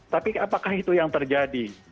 tapi apakah itu yang terjadi